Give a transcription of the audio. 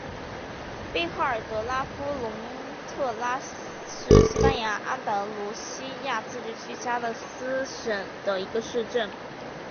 贝赫尔德拉夫龙特拉是西班牙安达卢西亚自治区加的斯省的一个市镇。